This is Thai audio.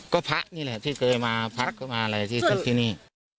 ก็พระนี่แหละที่เคยมาพักก็มาอะไรที่นี่